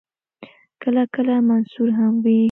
کله کله منثور هم وي.